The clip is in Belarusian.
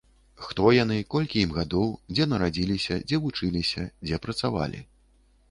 Хто яны, колькі ім гадоў, дзе нарадзіліся, дзе вучыліся, дзе працавалі.